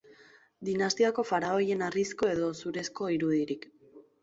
Dinastiako faraoien harrizko edo zurezko irudirik.